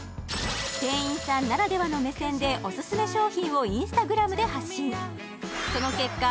店員さんならではの目線でおすすめ商品をＩｎｓｔａｇｒａｍで発信その結果